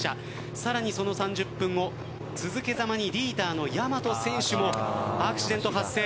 さらにその３０分後続けざまにリーダーのやまと選手にもアクシデント発生。